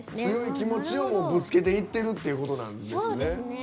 強い気持ちをぶつけていってるということなんですね。